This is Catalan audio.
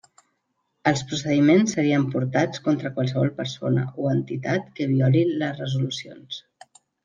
Els procediments serien portats contra qualsevol persona o entitat que violi les resolucions.